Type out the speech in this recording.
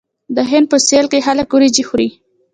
د هند په سویل کې خلک وریجې خوري.